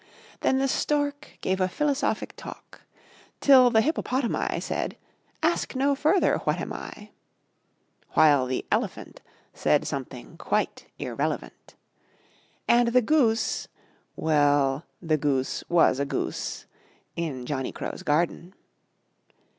Then the Stork Gave a Philosophic Talk Till the Hippopotami Said: "Ask no further 'What am I?'" While the Elephant Said something quite irrelevant And the Goose Well, the Goose was a Goose In Johnny Crow's Garden.